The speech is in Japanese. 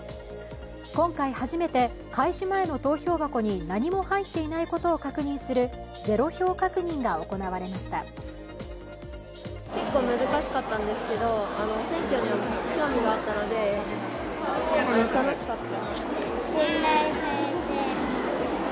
今回、初めて開始前の投票箱に何も入っていないことを確認するゼロ票確認が行われました。